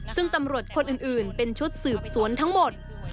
ซึ่งตำรวจคนอื่นเป็นชุดสืบสวนทั้งหมด